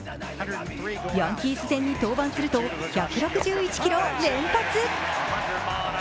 ヤンキース戦に登板すると１６１キロを連発。